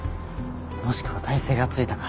もしくは耐性がついたか。